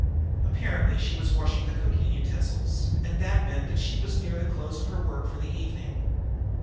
Apparently she was washing the cooking utensils, and that meant that she was near the close of her work for the evening.